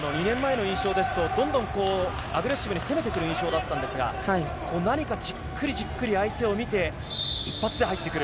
２年前の印象ですと、どんどんアグレッシブに攻めてくる印象だったんですが、何かじっくり相手を見て一発で入ってくる。